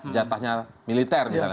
jatahnya militer misalnya